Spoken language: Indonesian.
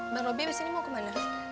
bang robi abis ini mau kemana